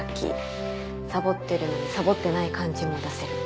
サボってるのにサボってない感じも出せる。